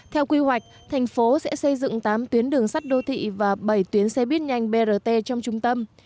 theo quy hoạch thành phố sẽ xây dựng tám tuyến đường sắt đô thị và bảy tuyến xe buýt nhanh brt trong trung tâm